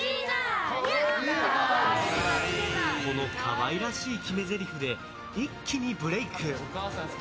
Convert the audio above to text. この可愛らしい決めぜりふで一気にブレーク！